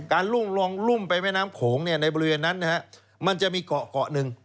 การลุ่มลองรุ่มไปแม่น้ำโขงเนี่ยในบริเวณนั้นนะฮะมันจะมีเกาะเกาะหนึ่ง